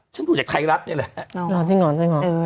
ฉันดูจากไทยรัฐเนี้ยแหละอ๋อจริงหรอจริงหรอเออ